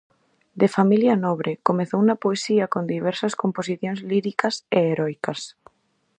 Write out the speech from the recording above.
De familia nobre, comezou na poesía con diversas composicións líricas e heroicas.